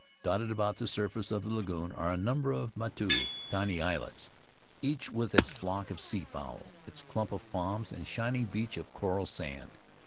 Dotted about the surface of the lagoon are a number of motu — tiny islets — each with its flock of sea fowl, its clump of palms, and shining beach of coral sand.